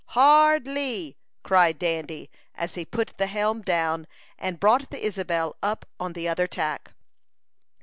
"Hard lee!" cried Dandy, as he put the helm down, and brought the Isabel up on the other tack.